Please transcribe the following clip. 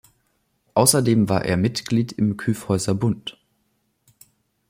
Außerdem war er Mitglied im Kyffhäuserbund.